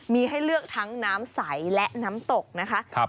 มีให้เลือกทั้งน้ำใสและน้ำตกนะคะ